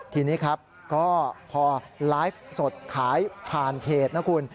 ทีนี้ครับก็พอไลฟ์สดขายผ่านเพจนะคุณ